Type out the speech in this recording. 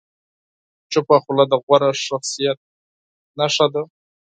چپه خوله، د غوره شخصیت نښه ده.